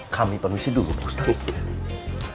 kami pamit dulu pak ustadz